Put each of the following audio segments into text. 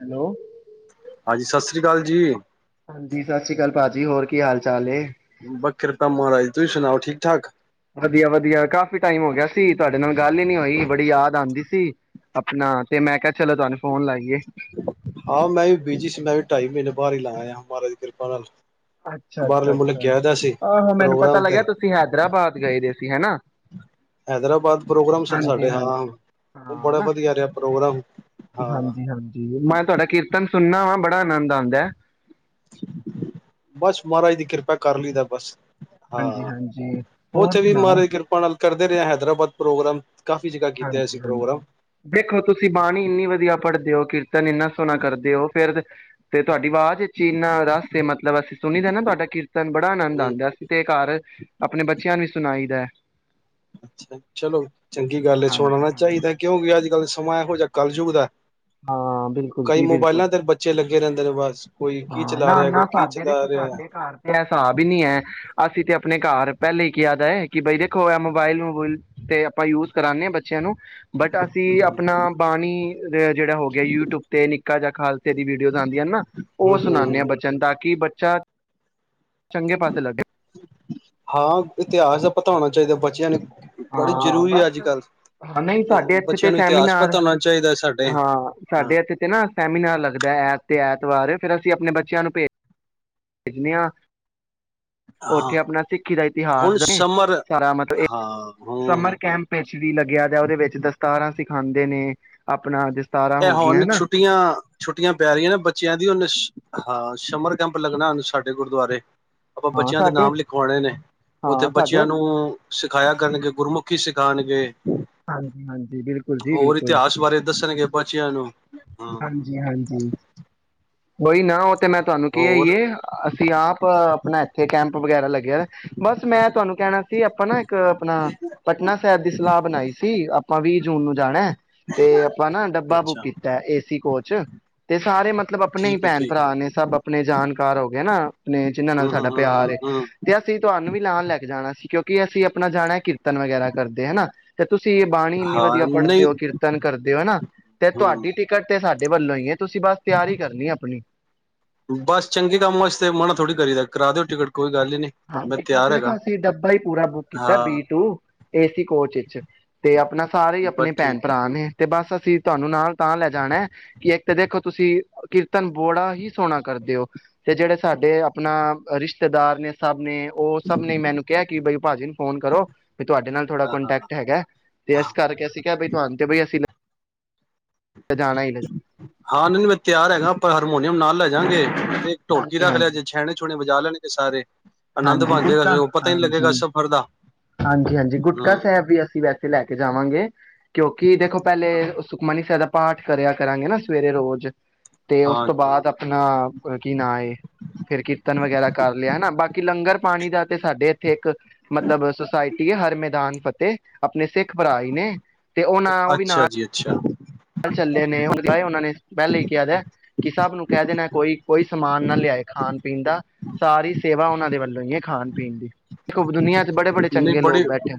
Hello ਹਾਂਜੀ ਸਤਿ ਸ੍ਰੀ ਅਕਾਲ ਜੀ। ਹਾਂਜੀ ਸਤਿ ਸ਼੍ਰੀ ਅਕਾਲ ਭਾਜੀ ਹੋਰ ਕੀ ਹਾਲ ਚਾਲ ਬਸ ਕਿਰਪਾ ਮਹਾਰਾਜ ਤੁਸੀਂ ਸੁਣਾਓ ਠੀਕ ਠਾਕ। ਵਧੀਆ-ਵਧੀਆ ਕਾਫ਼ੀ ਟਾਈਮ ਹੋ ਗਿਆ ਸੀ ਤੁਹਾਡੇ ਨਾਲ ਗੱਲ ਹੀ ਨੀ ਹੋਈ ਬੜੀ ਯਾਦ ਆਉਂਦੀ ਸੀ, ਆਪਣਾ ਤੇ ਮੈਂ ਕਿਹਾ ਚਲੋ ਤੁਹਾਨੂੰ ਫੋਨ ਲਾਈਏ। ਬੀਜੀ ਸੀ ਮੈਂ ਵੀ ਢਾਈ ਮਹੀਨੇ ਬਾਹਰ ਹੀ ਲਾ ਆਇਆ ਮਹਾਰਾਜ ਦੀ ਕਿਰਪਾ ਨਾਲ ਬਾਹਰਲੇ ਮੁਲਕ ਅੱਛਾ-ਅੱਛਾ-ਅੱਛਾ ਗਿਆ ਦਾ ਸੀ ਆਹੋ ਮੈਨੂੰ ਪਤਾ ਪ੍ਰੋਗਰਾਮ ਤੇ ਲੱਗਿਆ ਤੁਸੀਂ ਹੈਦਰਾਬਾਦ ਗਏ ਦੇ ਸੀ ਹਨਾ। ਹੈਦਰਾਬਾਦ ਪ੍ਰੋਗਰਾਮ ਸਨ ਸਾਡੇ ਹਾਂ ਹਾਂਜੀ-ਹਾਂਜੀ। ਉਹ ਹਾਂ ਬੜਾ ਨਾ। ਵਧੀਆ ਰਿਹਾ ਪ੍ਰੋਗਰਾਮ ਹਾਂ। ਹਾਂਜੀ-ਹਾਂਜੀ। ਮੈਂ ਤੁਹਾਡਾ ਕੀਰਤਨ ਸੁਣਨਾ ਵਾ ਬੜਾ ਆਨੰਦ ਆਂਦਾ ਏ। ਬਸ ਮਹਾਰਾਜ ਦੀ ਕਿਰਪਾ ਕਰ ਲਈਦਾ ਬਸ ਹਾਂ ਹਾਂਜੀ-ਹਾਂਜੀ ਉਹ ਹੋਰ ਚਵੀ ਸੁਣਾਓ? ਮਾਹਰਾ ਕਿਰਪਾ ਨਾਲ ਕਰਦੇ ਰਿਹਾ ਹੈਦਰਾਬਾਦ ਪ੍ਰੋਗਰਾਮ ਕਾਫ਼ੀ ਜਗ੍ਹਾ ਕੀਤਾ ਅਸੀਂ ਪ੍ਰੋਗਰਾਮ ਹਾਂਜੀ-ਹਾਂਜੀ ਦੇਖੋ ਤੁਸੀਂ ਬਾਣੀ ਇੰਨੀ ਵਧੀਆ ਪੜ੍ਹਦੇ ਹੋ ਕਿਰਤ ਕੀਰਤਨ ਇੰਨਾ ਸੋਹਣਾ ਕਰਦੇ ਉਹ ਫੇਰ ਤੇ ਤੁਹਾਡੀ ਆਵਾਜ਼ ਵਿੱਚ ਇੰਨਾ ਰਸ ਮਤਲਬ ਅਸੀਂ ਸੁਣੀ ਦਾ ਨਾ ਤੁਹਾਡਾ ਕੀਰ ਤਨ ਤਾਂ ਬੜਾ ਆਨੰਦ ਹਮ ਆਂਦਾ ਸੀ ਤੇ ਘਰ ਆਪਣੇ ਬੱਚਿਆਂ ਨੂੰ ਵੀ ਸੁਣਾਈ ਦਾ ਅੱਛਾ ਚਲੋ ਚੰਗੀ ਗੱਲ ਹੈ, ਹਾਂਜੀ ਸੁਣਨਾ ਚਾਹੀਦਾ ਹਾਂਜੀ ਕਿਉਂਕਿ ਅੱਜ ਕੱਲ੍ਹ ਸਮਾਂ ਇਹੋ ਜਿਹਾ ਕੱਲਯੁਗ ਦਾ ਹਾਂ ਬਿਲਕੁਲ ਕਈ ਜੀ ਬਿਲਕੁਲ ਮੋਬਾਇਲਾਂ ਤੇ ਬੱਚੇ ਲੱਗੇ ਰਹਿੰਦੇ ਨੇ ਬਸ ਕੋਈ ਕੀ ਹਾਂ ਨਾ, ਚਲਾ ਰਿਹਾ ਨਾ ਕੋਈ ਕੀ ਸਾਡੇ ਤੇ ਚਲਾ ਰਿਹਾ ਸਾਡੇ ਘਰ ਤੇ ਐ ਹਿਸਾਬ ਹੀ ਨੀ ਏ ਅਸੀਂ ਤੇ ਆਪਣੇ ਘਰ ਪਹਿਲੇ ਹੀ ਕਿਹਾ ਦਾ ਏ ਕਿ ਬਾਈ ਦੇਖੋ ਇਹ ਮੋਬਾਇਲ ਮੋਬੂਲ ਤੇ ਆਪਾਂ ਯੂਜ ਕਰਾ ਨੇ ਆ ਬਚਿਆ ਬੱਚਿਆਂ ਨੂੰ ਬਟ ਅਸੀਂ ਹਮ ਆਪਣਾ ਬਾਣੀ ਜਿਹੜਾ ਹੋ ਗਿਆ ਯੂਟਿਊਬ ਤੇ ਨਿੱਕਾ ਜਿਹਾ ਖਾਲਸਾ ਦੀ ਵੀਡੀਓਜ਼ ਆਦੀਆਂ ਨਾ ਉਹ ਹਮ ਸੁਣਾ ਨੇ ਹਮ ਆ ਬਚਨ ਤੱਕ ਕਿ ਬੱਚਾ ਚੰਗੇ ਪਾਸੇ ਲੱਗੇ ਹਾਂ ਇਤਿਹਾਸ ਦਾ ਪਤਾ ਹੋਣਾ ਚਾਹੀਦਾ ਬੱਚਿਆਂ ਨੂੰ ਬੜੀ ਹਾਂ ਜ਼ਰੂਰੀ ਹੈ ਬਸ, ਅੱਜ ਨਹੀਂ ਸਾਡੇ ਕੱਲ੍ਹ ਇੱਥੇ ਤੇ ਬੱਚਿਆਂ ਨੂੰ ਇਤਿਹਾਸ ਸੈਮੀਨਾਰ, ਪਤਾ ਹੋਣਾ ਚਾਹੀਦਾ ਸਾਡੇ ਹਾਂ ਹਾਂ ਸਾਡੇ ਇੱਥੇ ਤੇ ਨਾ ਸੈਮੀਨਾਰ ਲੱਗਦਾ ਐ ਤੇ ਐਤਵਾਰ ਫਿਰ ਅਸੀਂ ਆਪਣੇ ਬੱਚਿਆਂ ਨੂੰ ਭੇਜ ਦਿੰਦੇ ਆ ਹਾਂ ਉੱਥੇ ਆਪਣਾ ਸਿੱਖੀ ਦਾ ਇਤਿਹਾਸ ਹੁਣ ਸਮਰ ਸਾਰਾ ਮਤਲਬ ਹਾਂ ਹਮ ਸਮਰ ਕੈਂਪ ਵਿੱਚ ਵੀ ਲੱਗਿਆ ਜਾ ਉਹਦੇ ਵਿੱਚ ਦਸਤਾਰਾਂ ਸਿੱਖ ਖਾਂਦੇ ਨੇ ਆਪਣਾ ਜਿਸ ਤੇ ਹੁਣ ਛੁੱਟੀਆਂ ਛੁੱਟੀਆਂ ਪੈ ਰਹੀਆਂ ਨੇ ਬੱਚਿਆਂ ਦੀ ਉਹਨਾ ਸ਼ ਹਾਂ ਸ਼ਮਰ ਕੈਂਪ ਲੱਗਣਾ ਸਾਡੇ ਗੁਰਦੁਆਰੇ ਆਪਾਂ ਹਾਂ ਬੱਚਿਆਂ ਦੇ ਸਾਡੇ ਨਾਮ ਲਿਖਵਾਉਣੇ ਨੇ ਉੱਥੇ ਹਾਂ ਸਾਡੇ ਬੱਚਿਆਂ ਨੂੰ ਸਿਖਾਇਆ ਕਰਨਗੇ ਗੁਰਮੁਖੀ ਸਿਖਾਣਗੇ ਹਾਂਜੀ ਹਾਂਜੀ ਬਿਲਕੁਲ ਜੀ ਬਿਲਕੁਲ ਬਚਿਆ ਨੂੰ, ਹੂੰ ਓਹੀ ਨਾ ਹੋ ਤੇ ਮੈਂ ਤੁਹਾਨੂੰ ਕਿਹਾ ਹੀ ਏ ਅਸੀਂ ਆਪ ਆਪਣਾ ਇੱਥੇ ਕੈਂਪ ਵਗੈਰਾ ਲੱਗਿਆ ਬਸ ਮੈਂ ਤੁਹਾਨੂੰ ਕਹਿਣਾ ਸੀ ਆਪਾਂ ਨਾ ਇੱਕ ਆਪਣਾ ਪਟਨਾ ਸਾਹਿਬ ਦੀ ਸਲਾਹ ਬਣਾਈ ਸੀ ਆਪਾਂ ਵੀਹ ਜੂਨ ਨੂੰ ਜਾਣਾ ਏ ਤੇ ਆਪਾਂ ਨਾ ਡੱਬਾ ਬੁੱਕ ਅੱਛਾ ਕੀਤਾ ਏਸੀ ਕੋਚ ਤੇ ਸਾਰੇ ਮਤ ਆਪਣੇ ਹੀ ਠੀਕ ਹੈ ਭੈਣ ਠੀਕ ਹੈ ਭਰਾ ਨੇ ਸਭ ਆਪਣੇ ਜਾਣਕਾਰ ਹੋ ਗਏ ਨਾ ਆਪਣੇ ਜਿਹਨਾਂ ਨਾਲ ਹਮ ਸਾਡਾ ਪਿਆਰ ਹਮ ਏ ਹਮ ਹਮ ਤੇ ਅਸੀਂ ਤੁਹਾਨੂੰ ਵੀ ਨਾਲ ਲੈ ਕੇ ਜਾਣਾ ਸੀ ਕਿਉਂ ਕਿ ਅਸੀਂ ਆਪਣਾ ਜਾਣਾ ਕੀਰਤਨ ਵਗੈਰਾ ਕਰਦੇ ਆ ਨਾ ਤੇ ਤੁਸੀਂ ਬਾਣੀ ਇੰਨੀ ਹਾਂ ਵਧੀਆ ਪੜ੍ਹਦੇ ਨਹੀਂ ਹੋ ਕੀਰਤਨ ਕਰਦੇ ਹੋ ਹਨਾ ਤੇ ਹਮ ਤੁਹਾਡੀ ਟਿਕਟ ਤੇ ਸਾਡ ਟੇਬਲ ਲਾਈਏ- ਤੁਸੀਂ ਬਸ ਤਿਆਰੀ ਕਰਨੀ ਆਪਣੀ ਬਸ ਚੰਗੇ ਕੰਮ ਵਾਸਤੇ ਮਨਾ ਥੋੜੀ ਕਰੀ ਦਾ ਕਰਾ ਦਿਓ ਟਿਕਟ ਕੋਈ ਗੱਲ ਹੀ ਨਹੀਂ ਹਾਂ ਮੈਂ ਤਿਆਰ ਦੇਖੋ ਹੈਗਾ ਅਸੀਂ ਡੱਬਾ ਹੀ ਪੂਰਾ ਬੁੱਕ ਕੀਤਾ ਹਾਂ B two A C coach ਇਚ ਤੇ ਆਪਣਾ ਸਾਰੇ ਹੀ ਬਸ ਆਪਣੇ ਭੈਣ ਠੀਕ ਭਰਾ ਨੇ ਤੇ ਬਸ ਅਸੀਂ ਤੁਹਾਨੂੰ ਨਾਲ ਤਾਂ ਲੈ ਜਾਣਾ ਕਿ ਇੱਕ ਤਾਂ ਦੇਖੋ ਤੁਸੀਂ ਕੀਰਤਨ ਬੋੜਾ ਹੀ ਸੋਹਣਾ ਕਰਦੇ ਹੋ ਤੇ ਜਿਹੜੇ ਸਾਡੇ ਆਪਣਾ ਰਿਸ਼ਤੇਦਾਰ ਨੇ ਸਭ ਨੇ ਉਹ ਸਭ ਨੇ ਮੈਨੂੰ ਕਿਹਾ ਕੀ ਬਈ ਭਾ ਜੀ ਫੋਨ ਕਰੋ ਵੀ ਤੁਹਾਡੇ ਨਾਲ ਥੋੜਾ ਹਾਂ ਹਾਂ ਕੋਂਟੈਕਟ ਹੈਗਾ ਤੇ ਹਾਂ ਇਸ ਕਰਕੇ ਅਸੀਂ ਕਿਹਾ ਬਿ ਤੁਹਾਨੂੰ ਤੇ ਬਈ ਅਸੀਂ ਜਾਣਾ ਹੀ ਹਾਂ ਨਈ ਨਈ ਹੈ ਮੈਂ ਤਿਆਰ ਹੈਗਾ ਪਰ ਹਰਮੋ ਨਈ ੳਹਨੁੰ ਨਾਲ ਲੈ ਜਾਾਂਗੇ ਇੱਕ ਢੋਲਕੀ ਹਾਂਜੀ ਰੱਖ ਲਿਆ ਹਾਂਜੀ ਜੇ ਛੇਣੇ ਛੁਣੇ ਜਾ ਲੈਣਗੇ ਸਾਰੇ ਆਨੰਦ ਹਾਂਜੀ ਬਣ ਗੁਟਕਾ ਜਾਏਗਾ ਪਤਾ ਹੀ ਨਹੀਂ ਲੱਗੇਗਾ ਹਾਂਜੀ ਸਫ਼ਰ ਦਾ ਹਾਂਜੀ ਹਾਂਜੀ ਗੁਟਕਾ ਹਮ ਸਾਹਿਬ ਵੀ ਅਸੀਂ ਵੈਸੇ ਲੈ ਕੇ ਜਾਵਾਂਗੇ ਕਿਉਂਕਿ ਦੇਖੋ ਪਹਿਲੇ ਸੁਖਮਨੀ ਸਾਹਿਬ ਦਾ ਪਾਠ ਕਰਿਆ ਕਰਾਂਗੇ ਨਾ ਸਵੇਰੇ ਰੋਜ਼ ਤੇ ਉਸ ਹਾਂ ਤੋਂ ਬਾਅਦ ਆਪਣਾ ਕੀ ਨਾਂ ਏ ਫਿਰ ਕੀਰਤਨ ਵਗੈਰਾ ਕਰ ਲਿਆ ਨਾ ਬਾਕੀ ਲੰਗਰ ਪਾਣੀ ਦਾ ਤੇ ਸਾਡੇ ਇੱਥੇ ਇੱਕ ਮਤਲਬ ਸੋਸਾਇਟੀ ਏ ਹਰ ਮੈਦਾਨ ਫਤ ਤੇ ਆਪਣੇ ਸਿੱਖ ਭਰਾ ਈ ਨੇ ਤੇ ਉਹ ਨਾ ਉਹ ਵੀ ਅੱਛਾ ਨਾਲ ਜੀ ਅੱਛਾ ਚੱਲੇ ਨੇਏ ਉਹਨਾਂ ਨੇ ਪਹਿਲੇ ਹੀ ਕਿਹਾ ਦਾ ਕਿ ਸਭ ਨੂੰ ਕਹਿ ਦੇਣਾ ਕੋਈ ਕੋਈ ਸਮਾਨ ਨਾ ਲਿਆਏ ਖਾਣ ਪੀਣ ਦਾ ਸਾਰੀ ਸੇਵਾ ਉਹਨਾਂ ਦੇ ਵੱਲੋਂ ਹੀ ਏ ਖਾਣ ਪੀਣ ਖੁਬ ਦੁਨੀਆਂ ਚੋ ਬੜੇ ਬੜੇ ਨਹੀਂ ਚੰਗੇ ਬੜੀ ਲੋਗ ਬੈਠੇ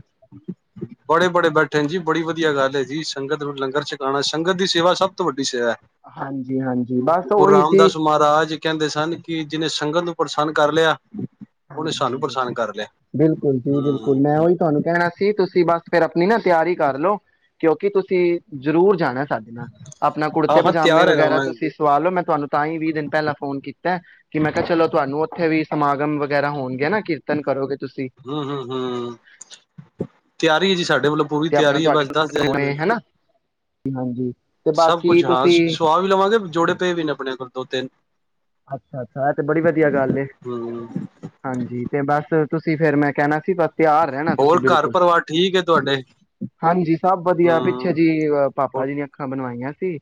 ਬੜੇ ਬੜੇ ਬੈਠੇ ਨ ਜੀ ਬੜੀ ਵਧੀਆ ਗੱਲ ਹੈ ਜੀ ਸੰਗਤ ਨੂੰ ਲੰਗਰ ਛਕਾਉਣਾ ਸੰਗਤ ਦੀ ਸੇਵਾ ਸਭ ਤੋਂ ਵੱਡੀ ਨਿਛੇਆ ਹਾਂਜੀ-ਹਾਂਜੀ ਬਸ ਗੁਰੂ ਉਹੀ ਸੀ ਰਾਮਦਾਸ ਮਹਾਰਾਜ ਕਹਿੰਦੇ ਸਨ ਕਿ ਜਿਹਨੇ ਸੰਗਤ [inaudible] ਪਰੇਸ਼ਾਨ ਕਰ ਲਿਆ ਉਹਨੇ ਹਾਂਜੀ ਸਾਨੂੰ ਹਾਂਜੀ ਪ੍ਰਸੰਨ ਕਰ ਲਿਆ ਬਿਲਕੁਲ ਜੀ ਬਿਲਕੁਲ ਮੈਂ ਹੂੰ ਉਹੀ ਤੁਹਾਨੂੰ ਕਹਿਣਾ ਸੀ ਤੁਸੀਂ ਤੁਸੀਂ ਬਸ ਫਿਰ ਆਪਣੀ ਨਾ ਤਿਆਰੀ ਕਰ ਲਓ ਕਿਉਂਕਿ ਤੁਸੀਂ ਜ਼ਰੂਰ ਜਾਣਾ ਸਾਡੇ ਨਾਲ ਆਪਣਾ ਕੁੜਤੇ ਹਾਂ ਹਾਂ ਪਜਾਮੇ ਤਿਆਰ ਹੈਗਾ ਵਗੈਰਾ ਮੈਂ ਤੁਸੀਂ ਸਵਾ ਲੋ ਮੈਂ ਤੁਹਾਨੂੰ ਤਾਂ ਹੀ, ਵੀਹ ਦਿਨ ਪਹਿਲਾਂ ਫੋਨ ਕੀਤਾ ਕਿ ਮੈਂ ਕਿਹਾ ਚਲੋ ਤੁਹਾਨੂੰ ਉੱਥੇ ਵੀ ਸਮਾਗਮ ਵ ਖੈਰਾਂ ਹੋਣਗੀਆਂ ਨਾ ਕੀਰਤਨ ਕਰੋਗੇ ਤੁਸੀਂ ਹੂੰ ਹੂੰ ਹੂੰ ਤਿਆਰੀ ਹੈ ਜੀ ਸਾਡੀ। ਮੇਰੇ ਵਲੋ ਪੂਰੀ ਤੇ ਆਪਣਾ ਤਿਆਰੀ ਹੈ ਤੁਹਾਡੇ ਬਸ ਕੋਲ ਦੱਸ ਦੇਯੋ ਕੁੜਤੇ ਜੇ ਹੋਣੇ ਮੈਨੂੰ। ਹਨਾ ਹਾਂਜੀ। ਤੇ ਸਭ ਬਾਕੀ ਕੁਛ ਹਾਂ ਤੁਸੀਂ ਸੁਵਾ ਵੀ ਲਵਾਂਗੇ ਜੋੜੇ ਪਏ ਵੀ ਨੇ ਆਪਣੇ ਕੋਲ ਦੋ-ਤਿੰਨ। ਅੱਛਾ-ਅੱਛਾ ਇਹ ਤੇ ਬੜੀ ਵਧੀਆ ਗੱਲ ਏ ਹੂੰ ਹਾਂਜੀ ਤੇ ਬਸ ਤੁਸੀਂ ਫਿਰੇ ਮੈਂ ਕਹਿਣਾ ਸੀ ਬਸ ਤਿਆਰ ਰਹਿਣਾ ਤੁਸੀਂ ਹੋਰ ਘਰ ਬਿਲਕੁਲ, ਪਰਿਵਾਰ ਠੀਕ ਹੈ ਤੁਹਾਡੇ ਹਾਂਜੀ ਸਭ ਵਧੀਆ ਪਿੱਛੇ ਹੂੰ ਜੀ ਪਾਪਾ ਜੀ ਦੀਆਂ ਅੱਖਾਂ ਬਣਵਾਈਆਂ। ਜੀ,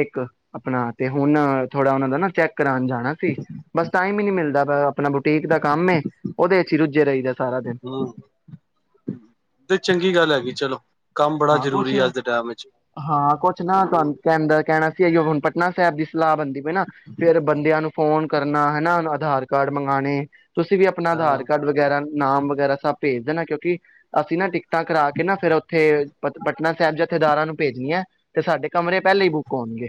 ਇੱਕ ਆਪਣਾ ਤੇ ਹੁਣ ਥੋੜਾ ਉਹਨਾ ਦਾ ਨਾ ਚੈੱਕ ਕਰਾਨ ਜਾਣਾ ਸੀ ਬਸ ਟਾਈਮ ਹੀ ਨਹੀ ਮਿਲਦਾ। ਬੈ ਆ ਆਪਣਾ ਬੁਟੀਕ ਦਾ ਕੰਮ ਏ ਉਹਦੇ ਚੋ ਰੁਜੇ ਰਇਦੇ ਸਾਰਾ ਦਿਨ। ਹੂੰ ਤੇ ਚੰਗੀ ਗੱਲ ਹੈਗੀ ਚਲੋ ਕੰਮ ਬੜਾ ਹਾਂ ਕੁਛ ਜ਼ਰੂਰੀ ਹੈ ਅੱਜ ਦੇ ਟਾਈਮ ਵਿੱਚ ਹਾਂ ਕੁਛ ਨਾ ਹੂੰ, ਤੂਹਾਨੂੰ ਤਾ ਕਹਿਣਾ ਸੀ ਏਔ ਹੁਣ ਪਚੀਸ ਨਾ ਸਾਹਿਬ ਦੀ ਸਲਾਹ ਬਣਦੀ ਪਈ ਨਾ ਫ਼ਿਰ ਬੰਦਿਆ ਨੂੰ ਫ਼ੋਨ ਕਰਨਾ ਹੈਨਾ, ਅਧਾਰ ਕਾਰਡ ਮੰਗਾਣੇ ਤੁਸੀਂ ਵੀ ਆਪਣਾ ਆਧਾਰ ਹਾਂ ਕਾਰਡ ਵਗੈਰਾ ਨਾਮ ਵਗੈਰਾ ਸਭ ਭੇਜ ਦੇਣਾ ਕਿਉੰਕਿ ਅਸੀਂ ਨਾ ਟਿਕਟਾਂ ਕਰਾ ਕੇ ਫਿਰ ਉੱਥੇ ਪ ਪਟਨਾ ਸਾਹਿਬ ਜਥੇਦਾਰਾਂ ਨੂੰ ਭੇਜਣੀਆਂ ਤੇ ਸਾਡੇ ਕਮਰੇ ਪਹਿਲਾਂ ਹੀ ਬੁੱਕ ਹੋਣਗੇ।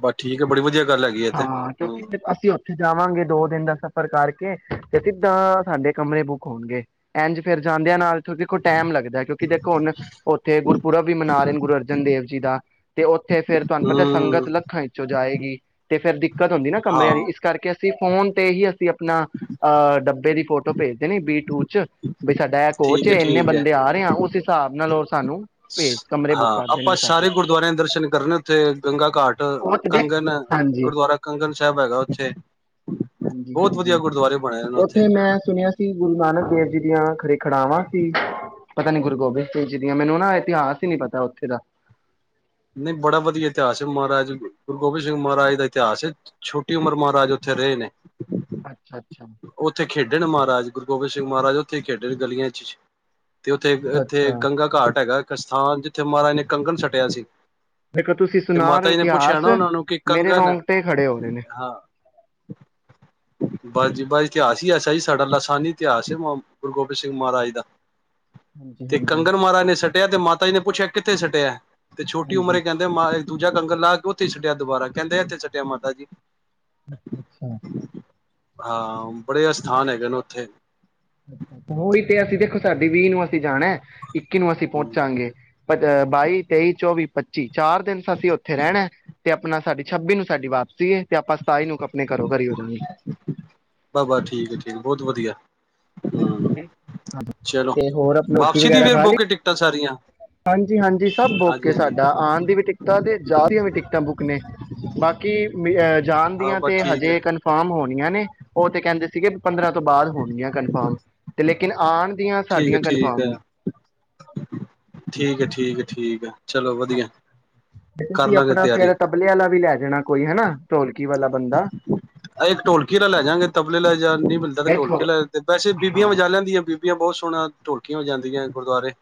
ਬਸ ਠੀਕਏ ਬੜੀ ਵਧੀਆ। ਗੱਲ ਹੈਗੀ ਹੈ ਤੇ ਹਾਂ ਹਮ ਕਿਉੰਕਿ ਓਥੇ ਅਸੀਂ ਆ ਜਾਵਾਂਗੇ ਦੋ ਦਿਨ ਦਾ ਸਫ਼ਰ ਕਰ ਕੇ ਤੇ ਸਿੱਧਾ ਸਾਡੇ ਕਮਰੇ ਬੁੱਕ ਹੋਣਗੇ ਐਂਜ ਫ਼ਿਰ ਜਾਂਦਿਆ ਨਾਲ ਦੇਖੋ ਟਾਈਮ ਲਗਦਾ ਕਿਉੰਕਿ ਦੇਖੋ ਹੁਣ ਉਥੇ ਗੁਰਪੁਰਬ ਵੀ ਮਨਾ ਰਹੇ ਨੇ ਗੁਰੂ ਅਰਜਨ ਦੇਵ ਜੀ ਦਾ ਤੇ ਓਥੇ ਫਿਰ ਤੁਹਾਨੂੰ ਪਤਾ ਸੰਗਤ ਹਮ ਲੱਖਾ ਵਿਚੋਂ ਜਾਏਗੀ ਫਿਰ ਦਿੱਕਤ ਹੁੰਦੀ ਆਹ ਨਾ ਕਮਰਿਆਂ ਦੀ ਹਾਂ ਇਸ ਕਰ ਕੇ ਅਸੀਂ ਫ਼ੋਨ ਤੇ ਅਸੀ ਆਪਨਾ ਅ ਡਬੇ ਦੀ ਫ਼ੋਟੋ ਭੇਜ ਦੇਣੀ ਬੀ ਟੂ ਚ। ਬਈ ਸਾਡਾ ਇਹ ਕੋਚ ਠੀਕ ਹੈ ਏ, ਐਨੇ ਠੀਕ ਹੈ ਬੰਦੇ ਆ ਰਹੇ ਆ ਓਸੇ ਹਿਸਾਬ ਨਾਲ ਉਸ ਹਾਂ ਆਪਾਂ ਸਾਡੇ ਸਾਰੇ ਗੁਰਦੁਆਰਿਆਂ ਦੇ ਦਰਸ਼ਨ ਕਰਨੇ ਉੱਥੇ ਗੰਗਾ ਘਾਟ ਉਹ ਤੇ ਦੇਖ ਕੰਗਨ ਹਾਂਜੀ ਗੁਰਦੁਆਰਾ ਕੰਗਨ ਸਬ ਹੈਗਾ ਉੱਥੇ। ਬਹੁਤ ਵਧੀਆ ਹਾਂਜੀ-ਹਾਂਜੀ ਗੁਰਦੁਆਰੇ ਬਣੇ ਨੇ ਉੱਥੇ ਮੈਂ ਸੁਣਿਆ ਸੀ ਗੁਰੂ ਨਾਨਕ ਦੇਵ ਜੀ ਦੀਆਂ ਖੜ-ਖੜਾਵਾਂ ਸੀ, ਪਤਾ ਨੀ ਗੁਰੂ ਗੋਬਿੰਦ ਸਿੰਘ ਜੀ ਦੀਆਂ ਮੈਨੂੰ ਨਾ ਇਤਿਹਾਸ ਹੀ ਨੀ ਪਤਾ ਉੱਥੇ ਦਾ। ਨਹੀਂ ਬੜਾ ਵਧੀਆ ਇਤਿਹਾਸ ਹੈ ਮਹਾਰਾਜ ਗੁਰੂ ਗੋਬਿੰਦ ਸਿੰਘ ਮਹਾਰਾਜ ਦਾ ਇਤਿਹਾਸ ਹੈ ਛੋਟੀ ਉਮਰ ਮਹਾਰਾਜ ਉੱਥੇ ਰਹੇ ਨੇ। ਅੱਛਾ ਅ ਉੱਥੇ ਖੇਡਣ ਮਹਾਰਾਜ ਗੁਰੂ ਗੋਬਿੰਦ ਸਿੰਘ ਮਹਾਰਾਜ ਉੱਥੇ ਖੇਡੇ ਨੇ ਗਲੀਆਂ ਚ ਤੇ ਉੱਥੇ ਇੱਥੇ ਅੱਛਾ ਗੰਗਾ ਘਾਟ ਹੈਗਾ ਇੱਕ ਸਥਾਨ ਜਿੱਥੇ ਮਹਾਰਾਜ ਨੇ ਕੰਗਣ ਸਟਿਆ ਸੀ ਇੱਕ ਤੁਸੀਂ ਤੇ ਸੁਣਾ ਮਾਤਾ ਰਹੇ ਜੀ ਨੇ ਪੁੱਛਿਆ ਇਤਿਹਾਸ ਨਾ ਉਹਨਾਂ ਨੂੰ ਕਿ ਮੇਰੇ ਕੰਗਣ ਰੌਂਗਟੇ ਖੜੇ ਹੋ ਗਏ ਨੇ। ਹਾਂ ਬਸ ਜੀ ਬਸ ਇਤਿਹਾਸ ਹੀ ਐਸਾ ਜੀ ਸਾਡਾ ਲਾਸਾਨੀ ਇਤਿਹਾਸ ਗੁਰੂ ਗੋਬਿੰਦ ਸਿੰਘ ਮਹਾਰਾਜ ਦਾ ਹਾਂਜੀ ਤੇ ਹਾਂਜੀ ਕੰਗਨ ਮਹਾਰਾਜ ਨੇ ਸੱਟ ਤੇ ਮਾਤਾ ਜੀ ਨੇ ਪੁੱਛਿਆ ਕਿੱਥੇ ਸੁੱਟਿਆ ਏ ਤੇ ਛੋਟੀ ਹਾਂਜੀ ਉਮਰ ਚ ਕਹਿੰਦੇ ਮਾਏ ਦੂਜਾ ਕੰੰਗਨ ਲਾ ਕੇ ਉੱਥੇ ਛੱਡਿਆ ਦੁਬਾਰਾ ਕਹਿੰਦੇ ਇੱਥੇ ਸੁੱਟਿਆ ਮਾਤਾ ਜੀ ਅੱਛਾ ਅੱਛਾ ਹਾਂ ਬੜੇ ਅਸਥਾਨ ਹੈਗੇ ਨੇ ਉੱਥੇ ਅੱਛਾ ਹੋ ਹੀ ਤੇ ਅਸੀਂ ਦੇਖੋ ਸਾਡੀ ਵੀਹ ਨੂੰ ਏ ਅਸੀਂ ਜਾਣਾ ਇੱਕੀ ਨੂੰ ਅਸੀਂ ਪਹੁੰਚਾਂਗੇ ਪਰ ਬਾਈ, ਤੇਈ, ਚੌਵੀ, ਪੱਚੀ ਚਾਰ ਦਿਨ ਅਸੀਂ ਉੱਥੇ ਰਹਿਣਾ ਤੇ ਆਪਣਾ ਸਾਡੀ ਛੱਬੀ ਨੂੰ ਸਾਡੀ ਵਾਪਸੀ ਏ ਤੇ ਆਪਾਂ ਸਤਾਹੀ ਨੂੰ ਆਪਣੇ ਘਰੋਂ ਘਰੇ ਹੋ ਜਾਣਾ ਏ। ਹੂੰ ਚਲੋ, ਤੇ ਹੋਰ ਆਪਣੀ ਰੋਟੀ ਵਾਪਸੀ ਦੀ ਵਗੈਰਾ ਵੀ ਖਾ ਲਈ ਬੁੱਕ ਨੇ ਟਿਕਟਾਂ ਸਾਰੀਆਂ ਹਾਂਜੀ, ਹਾਂਜੀ ਸਭ ਬੁੱਕ ਹੈ ਹਾਂਜੀ ਹਾਂਜੀ ਸਾਡਾ ਆਣ ਦੀ ਵੀ ਟਿਕਟਾਂ ਤੇ ਜਾਣ ਦੀਆਂ ਵੀ ਟਿਕਟਾਂ ਬੁੱਕ ਨੇ ਬਾਕੀ ਜਾਣ ਹਾਂ ਦੀਆਂ ਬਸ ਤੇ ਠੀਕ ਹੈ ਹਜੇ ਕਨਫਰਮ ਹੋਣੀਆਂ ਨੇ ਉਹ ਤੇ ਕਹਿੰਦੇ ਸੀਗੇ ਪੰਦਰਾਂ ਤੋਂ ਬਾਅਦ ਹੋਣਗੀਆਂ ਕਨਫਰਮ ਤੇ ਲੇ ਕਿਨ ਆਣ ਠੀਕ ਹੈ, ਠੀਕ ਹੈ। ਠੀਕ ਹੈ, ਠੀਕ ਹੈ, ਠੀਕ ਆ। ਹਾਂਜੀ, ਤੇ ਤੁਸੀਂ ਲਾਂਗੇ ਆਪਣਾ ਫੇਰ ਤਬਲੇ ਵਾਲਾ ਵੀ ਲੈ ਜਾਣਾ ਕੋਈ ਹਨਾ ਢੋਲਕੀ ਵਾਲਾ ਬੰਦਾ ਆ ਇੱਕ ਢੋਲਕੀ ਆਲਾ ਲੈ ਜਾਗੇ ਤਬਲੇ ਆਲਾ ਜੇ ਨਹੀਂ ਮਿਲਦਾ ਤੇ ਦੇਖੋ ਢੋਲਕੀ ਲੈ, ਵੈਸੇ ਬੀਬੀਆਂ ਹਾਂ ਵਜਾ ਲਿਆਂਦੀਆਂ ਬੀਬੀਆਂ ਬਹੁਤ ਸੋਹਣਾ ਢੋਲਕੀਆਂ ਹੋ ਜਾਂਦੀਆਂ ਗੁਰਦੁਆਰੇ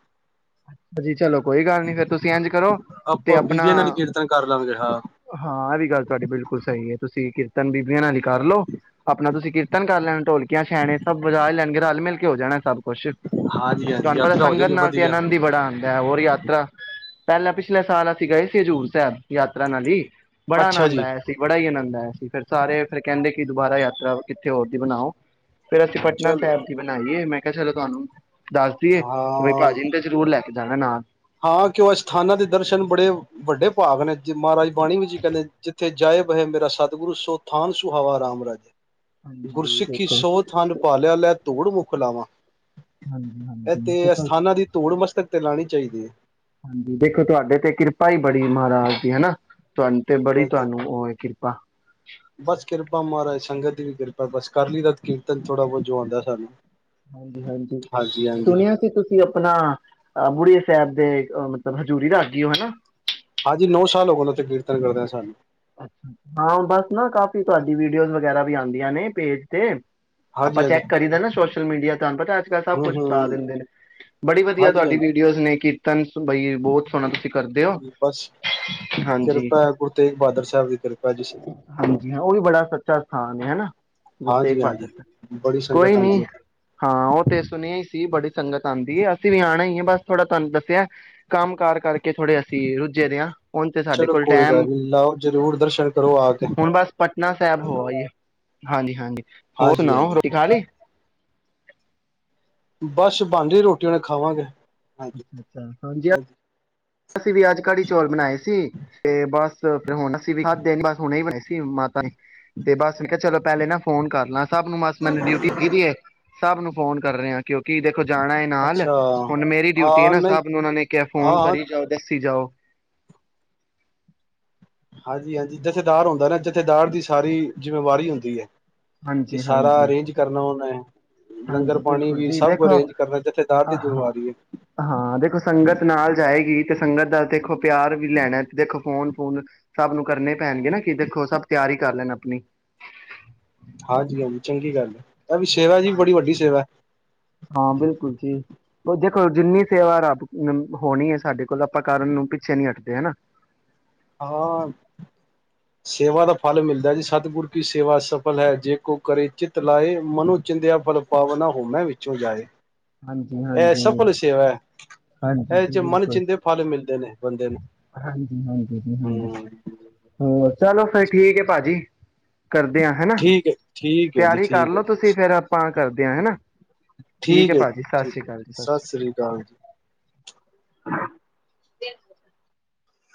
ਐਸ ਜੀ ਚਲੋ ਕੋਈ ਗੱਲ ਨੀ ਫੇਰ ਤੁਸੀਂ ਇੰਝ ਕਰੋ ਤੁਸੀਂ ਆਪਾਂ ਆਪਣਾ ਬੀਬੀਆਂ ਨਾਲ ਕੀਰਤਨ ਕਰ ਲਾਂਗੇ ਹਾਂ ਹਾਂ ਇਹ ਵੀ ਗੱਲ ਤੁਹਾਡੀ ਬਿਲਕੁਲ ਸਹੀ ਏ। ਤੁਸੀਂ ਕੀਰਤਨ ਬੀਬੀਆਂ ਨਾਲ ਹੀ ਕਰ ਲੋ ਆਪਣਾ ਤੁਸੀਂ ਕੀਰਤਨ ਕਰ ਲੈਣਾ ਢੋਲਕੀਆਂ, ਛੈਣੇ ਸਭ ਵਜਾ ਲੈਣਗੇ ਰਲ ਮਿਲ ਕੇ ਹੋ ਜਾਣਾ ਸਭ। ਕੁੁਛ ਹਾਂਜੀ ਹਾਂਜੀ ਤੁਹਾਨੂੰ ਪਤਾ ਯਾਤਰਾ ਹੋ ਸੰਗਤ ਜਾਏਗੀ ਨਾਲ ਹੀ ਵਧੀਆ ਆਨੰਦ [unintelligible] ਹੋਰ ਯਾਤਰਾ ਪਹਿਲਾਂ ਪਿਛਲੇ ਸਾਲ ਗਏ ਸੀ ਹਜ਼ੂਰ ਸਾਹਿਬ ਯਾ [unintelligible] ਬੜਾ ਅੱਛਾ ਆਨੰਦ ਜੀ। ਆਇਆ, ਸੀ ਬੜਾ ਹੀ ਆਨੰਦ ਸੀ ਫਿਰ ਸਾਰੇ ਫਿਰ ਕਹਿੰਦੇ ਕਿ ਦੁਬਾਰਾ ਯਾਤਰਾ ਕਿੱਥੇ ਹੋਰ ਦੀ ਬਣਾਓ ਫੇਰ ਅਸੀਂ ਪਟਨਾ ਚਲੋ ਸਾਹਿਬ ਦੀ ਬਣਾਈਏ ਮੈਂ ਕ ਚੱਲ ਤੁਹਾਨੂੰ ਦੱਸ ਦੀਏ ਕਿ ਬਈ ਹਾਂ ਭਾਜੀ ਦੇ ਉ ਲੈ ਕੇ ਜਾਣਾ ਨਾਲ ਹਾਂ ਕਿਉਂ ਐ ਸਥਾਨਾਂ ਦੇ ਦਰਸ਼ਨ ਬੜੇ ਵੱਡੇ ਭਾਗ ਨੇ ਮਹਾਰਾਜ ਬਾਣੀ ਵੀ ਜੀ ਕਹਿੰਦੇ ਜਿੱਥੇ ਜਾਇਬ ਹੈ ਮੇਰਾ ਸਤਿਗੁਰੂ ਸੋਥਾਨ ਸੁਹਾਵਾ ਰਾਮ ਰਾਜੇ। ਹਾਂਜੀ ਗੁਰਸਿੱਖੀ ਦੇਖੋ ਸੌ ਥਾਨ ਪਾਲਿਆ ਲੈ ਧੂੜ ਮੁਖ ਖੁਲਾਵਾਂ ਹਾਂਜੀ ਇਹ ਹਾਂਜੀ ਤੇ ਦੇਖੋ ਅਸਥਾਨਾਂ ਦੀ ਧੂੜ ਮਸਤਕ ਤੇ ਲਾਉਣੀ ਚਾਹੀਦੀ ਹੈ। ਹਾਂਜੀ, ਦੇਖੋ ਤੁਹਾਡੇ ਤੇ ਕਿਰਪਾ ਹੀ ਬੜੀ ਮਹਾਰਾਜ ਦੀ ਹਨਾ। ਤੁਹਾਨੂੰ ਤੇ ਬੜੀ ਹਾਂਜੀ ਤੁਹਾਨੂੰ ਉਹ ਵਾਹ ਬਸ ਕਿਰਪਾ ਮਹਾਰਾਜ ਸੰਗਤ ਦੀ ਵੀ ਕਿਰਪਾ ਬਸ ਕਰ ਲਈ ਤਾਂ ਕੀਰਤਨ ਥੋੜ੍ਹਾ ਬਹੁਤ ਜੋ ਆਉਂਦਾ ਸਾਨੂੰ ਹਾਂਜੀ -ਹਾਂਜੀ ਸੁਣਿਆ ਸੀ ਤੁਸੀਂ ਆਪਣਾ ਬੁੜਿਏ ਸਾਹਿਬ ਦੇ ਮਤਲਬ ਹਜ਼ੂਰੀ ਰਾਗੀ ਹੋ ਹਨਾ। ਹਾਂਜੀ ਨੋ ਸਾਲ ਹੋ ਗਏ ਤੇ ਕੀਰਤਨ ਕਰਦੇ ਹਾਂ ਸਾਨੂੰ ਅੱ ਹਾਂ ਬਸ ਨਾ ਕਾਫੀ ਤੁਹਾਡੀ ਵੀਡੀਓਜ਼ ਵਗੈਰਾ ਵੀ ਆਉਂਦੀਆਂ ਨੇ ਪੇਜ ਤੇ ਆਪਾਂ ਹਾਂਜੀ ਹਾਂਜੀ ਚੈੱਕ ਕਰੀ ਦ ਨਾ ਸੋਸ਼ਲ ਮੀਡੀਆ ਤੁਹਾਨੂੰ ਪਤਾ ਅੱਜ ਕੱਲ ਸਭ ਹੂੰ ਕੁਛ ਕਰ ਹੂੰ ਦਿੰਦੇ ਨੇ ਬੜੀ ਵਧੀਆ ਹਾਂਜੀ ਤੁਹਾਡੀ ਵੀਡੀਓਜ਼ ਨੇ ਕੀ ਤਨ ਬਾਈ ਬਹੁਤ ਸੋਹਣਾ ਤੁਸੀਂ ਕਰਦੇ ਹੋ ਹਾਂਜੀ ਬਸ ਹਾਂਜੀ ਕਿਰਪਾ ਹੈ ਗੁਰੂ ਤੇਗ ਬਹਾਦਰ ਸਾਹਿਬ ਦੀ ਕਿਰਪਾ ਜੀ ਹਾਂਜੀ ਹਾਂ ਉਹ ਵੀ ਬੜਾ ਥਾਂ ਨੇ ਹਨਾ। ਗੁਰੂ ਤੇਗ ਹਾਂਜੀ ਹਾਂਜੀ ਬਹਾਦਰ ਬੜੀ ਕੋਈ ਸੰਗਤ ਨੀ ਆਉਂਦੀ ਉੱਥੇ ਹਾਂ ਉਹ ਤੇ ਸੁਣਿਆ ਹੀ ਸੀ ਬੜੀ ਸੰਗਤ ਆਉਂਦੀ ਹੈ ਅਸੀਂ ਵੀ ਆਉਣਾ ਹੀ ਏ। ਬਸ ਥੋੜਾ ਤੁਹਾਨੂੰ ਦੱਸਿਆ ਕੰਮ ਕਾਰ ਕਰਕੇ ਕੇ ਥੋੜੇ ਅਸੀਂ ਰੁੱਝੇ ਦੇ ਹਾਂ ਹੁਣ ਤੇ ਸਾਡੇ ਕੋਲ ਟਾਈਮ ਜ਼ਰੂਰ ਦਰਸ਼ਨ ਕਰੋ ਆ ਕੇ ਹੁਣ ਬਸ ਪਟਨਾ ਸਾਹਿਬ ਹੋ ਆਈਏ ਹਾਂਜੀ ਹਾਂਜੀ ਹੋਰ ਹਾਂਜੀ ਸੁਣਾਓ ਹਾਂਜੀ ਰੋਟੀ ਖਾ ਲਈ ਬਸ ਬਣਦੀ ਰੋਟੀ ਉਹਨੇ ਖਾਵਾਂਗੇ ਹਾਂਜੀ ਅੱਛਾ ਅੱਛਾ ਹਾਂਜੀ ਹਾਂ ਅਸੀਂ ਵੀ ਅੱਜ ਕੜੀ ਚੌਲ ਬਣਾਏ ਸੀ ਤੇ ਬਸ ਫਿਰ ਹੁਣ ਅਸੀਂ ਵੀੱ ਖਾਂਦੇ ਨ, ਬਸ ਹੁਣੇ ਬਣਾਏ ਸੀ ਮਾਤਾ ਨੇ ਤੇ ਬਸ ਮੈਂ ਕਿਹਾ ਚਲੋ ਪਹਿਲੇ ਨਾ ਫੋਨ ਕਰਲਾ ਸਭ ਨੂੰ ਮਸ ਮੈਨੂੰ ਡਿਊਟੀ ਦਿਤੀ ਦੀ ਏ ਸਭ ਨੂੰ ਫੋਨ ਕਰ ਰੇ ਹਾ ਕਿਉਂਕਿ ਦੇਖੋ ਜਾਣਾ ਏ ਨਾਲ, ਅੱਛਾ ਹੁਣ ਮੇਰੀ ਡਿਊਟੀ ਹੈ ਹਾਂ ਨਾ ਨਹੀਂ ਸਾਹਿਬ ਨੂੰ ਉਹ ਨੇ ਕਿਹਾ ਹਾਂ ਫੋਨ ਹਾਂ ਕਰੀ ਜਾਓ ਤੇ ਤੁਸੀਂ ਜਾਓ ਹਾਂਜੀ ਹਾਂਜੀ ਜਥੇਦਾਰ ਹੁੰਦਾ ਨਾ ਜਥੇਦਾਰ ਦੀ ਸਾਰੀ ਜਿੰਮੇਵਾਰੀ ਹੁੰਦੀ ਹੈ ਕਿ ਹਾਂਜੀ, ਸਾਰਾ ਹਾਂਜੀ, ਅਰੇਂਜ ਕਰਨਾ ਔਨਾਂ ਹੈ ਹਾਂਜੀ ਬਿਲਕੁਲ ਜੀ ਵੇਖੋ ਜਥੇਦਾਰ ਹਾਂ ਦੀ ਜ਼ਿੰਮੇਵਾਰੀ ਹੈ ਹਾਂ ਦੇਖੋ ਸੰਗਤ ਨਾਲ ਜਾਏਗੀ ਇੱਕ ਸੰਗਤ ਦਾ ਦੇਖੋ ਪਿਆਰ ਵੀ ਲੈਣਾ ਦੇਖੋ ਫੋਨ ਫੋਨ ਸਭ ਨੂੰ ਕਰਨੇ ਪੈਣਗੇ ਨਾ ਕਿ ਦੇਖੋ ਸਭ ਤਿਆਰੀ ਕਰ ਲੈਣ ਆਪਣੀ ਹਾਂਜੀ ਹਾਂਜੀ ਚੰਗੀ ਗੱਲ ਹੈ ਇਹ ਵੀ ਸੇਵਾ ਜੀ ਬੜੀ ਹਾਂਜੀ ਵੱਡੀ ਸੇਵਾ ਹੈ ਹੁਣ ਦੇਖੋ ਜਿੰਨੀ ਸੇਵਾ ਰੱਬ ਹੋਣੀ ਹੈ ਸਾਡੇ ਕੋਲ ਆਪਾਂ ਕਰਨ ਨੂੰ ਪਿੱਛੇ ਨੀ ਹਟਦੇ ਹੈ ਨਾ ਹਾਂ ਸੇਵਾ ਦਾ ਫਲ ਮਿਲਦਾ ਜੀ ਸਤਿਗੁਰੂ ਕੀ ਸੇਵਾ ਸਫਲ ਹੈ ਜੇ ਕੋਈ ਕਰੇ ਚਿੱਤ ਲਾਏ ਮਨੋ ਚਿੰਦਿਆ ਫਲ ਪਾਵਨਾ ਹੋਮੈ ਵਿੱਚੋਂ ਜਾਏ ਹਾਂਜੀ, ਇਹ ਹਾਂਜੀ, ਸਫਲ ਹੀ ਸੇਵਾ ਹੈ ਹਾਂਜੀ ਇਹਦੇ ਜੀ ਚ ਮਨ ਬਿਲਕੁਲ ਚਿੰਦੇ ਫਲ ਮਿਲਦੇ ਨੇ ਬੰਦੇ ਨੂੰ ਹਾਂਜੀ, ਹਾਂਜੀ ਜੀ ਹਾਂਜੀ। ਹੋਰ ਚਲੋ ਫਿਰ ਠੀਕ ਹੈ ਭਾਜੀ ਕਰਦੇ ਹਾਂ ਹੈਨਾ ਠੀਕ ਹੈ ਠੀਕ ਹੈ ਜੀ ਤਿਆਰੀ ਕਰ ਠੀਕ ਹੈ ਲਓ ਤੁਸੀਂ ਫਿਰ ਆਪਾਂ ਕਰਦੇ ਹੈ ਨਾ ਠੀਕ ਹੈ ਜੀ ਅਕਾਲ। ਸਤਿ ਸ੍ਰੀ ਅਕਾਲ ਜੀ ਬਿਲਕੁਲ